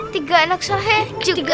tiga anak surahnya juga